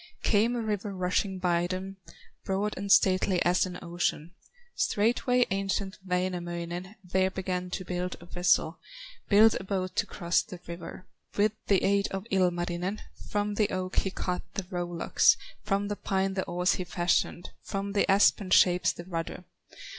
Came a river rushing by them, Broad and stately as an ocean. Straightway ancient Wainamoinen There began to build a vessel, Build a boat to cross the river. With the aid of Ilmarinen, From the oak he cut the row locks, From the pine the oars he fashioned, From the aspen shapes the rudder.